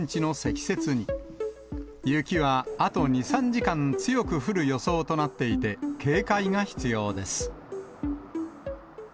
雪はあと２、３時間強く降る予想となっていて、警戒が必要です。